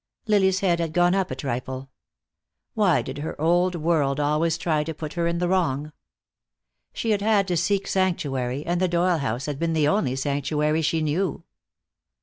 Lily's head had gone up a trifle. Why did her old world always try to put her in the wrong? She had had to seek sanctuary, and the Doyle house had been the only sanctuary she knew.